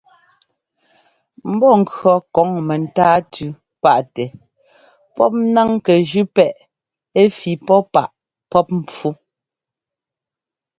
Mbɔ́ŋkʉɔ́ kɔŋ mɛntáa tʉ́ páꞌtɛ pɔ́p náŋ kɛ jʉ́ pɛ́ꞌɛ ɛ́ fí pɔ́ páꞌ pɔ́p mpfú.